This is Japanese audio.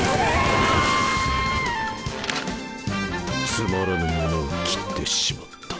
つまらぬものを斬ってしまった。